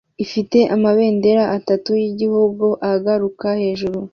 ifite amabendera atatu yigihugu aguruka hejuru